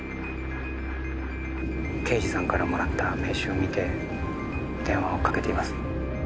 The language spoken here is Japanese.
刑事さんからもらった名刺を見て電話をかけています。